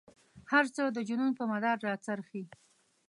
هر څه د جنون په مدار را څرخي.